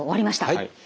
はい。